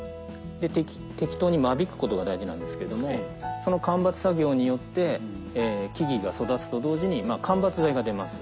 で適当に間引くことが大事なんですけれどもその間伐作業によって木々が育つと同時に間伐材が出ます。